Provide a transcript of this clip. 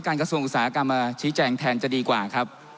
กระทรวงอุตสาหกรรมมาชี้แจงแทนจะดีกว่าครับ